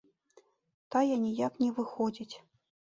Тая ніяк не выходзіць.